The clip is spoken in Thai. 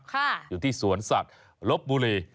ค่ะอยู่ที่สวนสัตว์รบบุหรี่